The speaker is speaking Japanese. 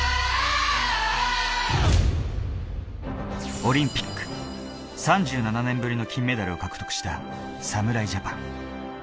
オリンピック、３７年ぶりの金メダルを獲得した侍ジャパン。